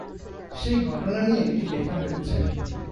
সেই ঘটনা নিয়ে এটি লেখা হয়েছে।